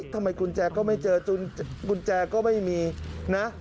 ทำไมกุญแจก็ไม่เจอจนกุญแจก็ไม่มีน่ะ